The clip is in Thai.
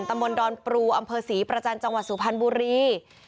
ตำบลดอนปรูอำเภอศรีประจันทร์จังหวัดสุพรรณบุรี